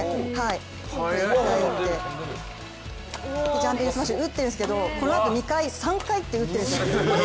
ジャンピングスマッシュ、打ってるんですけどこのあと２回、３回って打ってるんです。